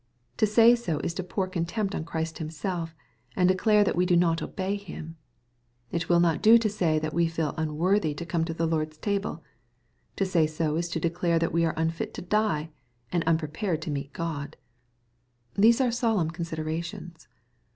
To say so is to pour contempt on Christ Himself, and declare that we do not obey Him. — ^It will not do to say that we feel unworthy to come to the Lord's table. To say so is to declare that we are unfit to die, and unprepared to meet God. These are solemn considerations.